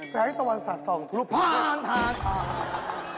แสงตะวันสัตว์ส่องทุนุพันธาตุ